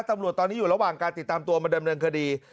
ตำรวจตอนนี้อยู่ระหว่างการติดตามตัวมาดำเนินคดี